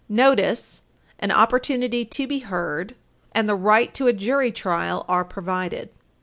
Notice, an opportunity to be heard, and the right to a jury trial are provided.